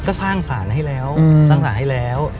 ก็สร้างสารให้แล้ว